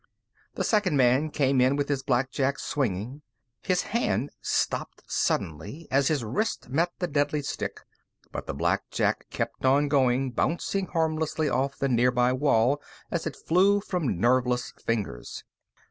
The second man came in with his blackjack swinging. His hand stopped suddenly as his wrist met the deadly stick, but the blackjack kept on going, bouncing harmlessly off the nearby wall as it flew from nerveless fingers.